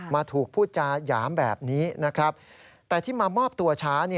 มาถูกพูดจาหยามแบบนี้นะครับแต่ที่มามอบตัวช้า